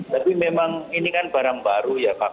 tapi memang ini kan barang baru ya pak